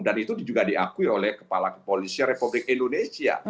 dan itu juga diakui oleh kepala kepolisian republik indonesia